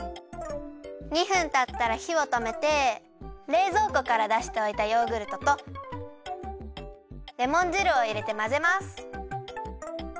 ２分たったらひをとめてれいぞうこからだしておいたヨーグルトとレモン汁をいれてまぜます。